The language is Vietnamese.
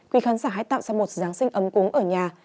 quý khán giả hãy tạm xa một giáng sinh ấm cúng ở nhà